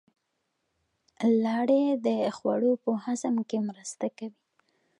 لاړې د خوړو په هضم کې مرسته کوي